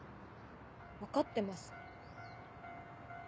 分かってます。